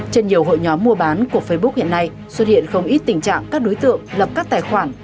trên nhiều hội nhóm mua bán của facebook hiện nay xuất hiện không ít tình trạng các đối tượng lập các tài khoản